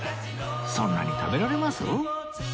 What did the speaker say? そんなに食べられます？